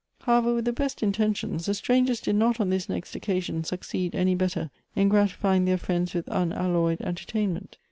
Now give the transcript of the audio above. Howevei , with the best intentions, the strangers did not, on this next occasion, succeed any better in gratify ing their friends with unalloyed entertainment.